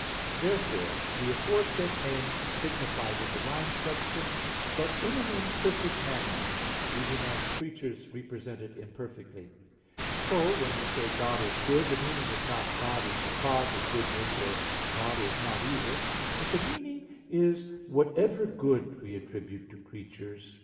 Therefore the aforesaid names signify the divine substance, but in an imperfect manner, even as creatures represent it imperfectly. So when we say, "God is good," the meaning is not, "God is the cause of goodness," or "God is not evil"; but the meaning is, "Whatever good we attribute to creatures, pre exists in God," and in a more excellent and higher way.